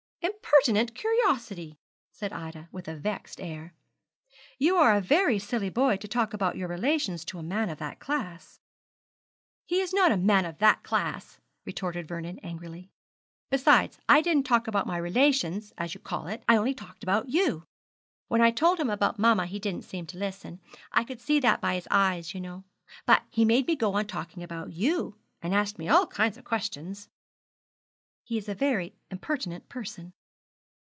'Impertinent curiosity!' said Ida, with a vexed air. 'You are a very silly boy to talk about your relations to a man of that class.' 'He is not a man of that class,' retorted Vernon angrily; 'besides I didn't talk about my relations, as you call it. I only talked about you. When I told him about mamma he didn't seem to listen. I could see that by his eyes, you know; but he made me go on talking about you, and asked me all kinds of questions.' 'He is a very impertinent person.'